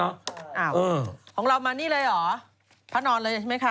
อ้าวของเรามานี่เลยเหรอพระนอนเลยใช่ไหมคะ